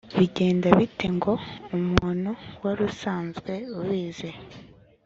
bigenda bite ngo umuntu wari usanzwe ubizi